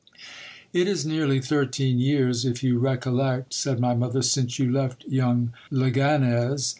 It is nearly thirteen years, if you recollect, said my mother, since you left young Leganez.